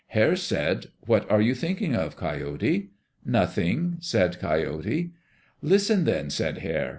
Hare said, What are you thinking of, Coyote? "Nothing," said Coyote. "Listen, then," said Hare.